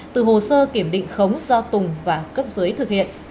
từ hồ sơ kiểm định khống do tùng và cấp dưới thực hiện